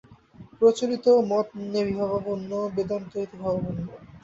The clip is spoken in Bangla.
প্রচলিত মত নেতিভাবাপন্ন, বেদান্ত ইতিভাবাপন্ন।